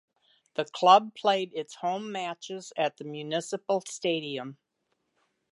The club played its home matches at the Municipal Stadium.